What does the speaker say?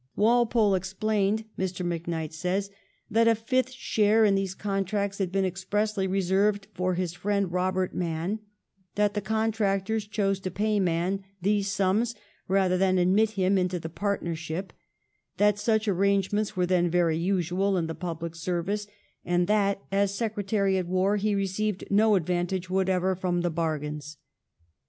' Walpole explained,' Mr. MacKnight says, ' that a fifth share in these contracts had been expressly reserved for his friend Eobert Mann ; that the con tractors chose to pay Mann these sums rather than admit him into the partnership ; that such arrange ments were then very usual in the public service ; and that, as Secretary at War, he received no advantage whatever from the bargains.'